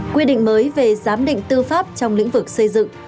quy định mới về giám định tư pháp trong lĩnh vực xây dựng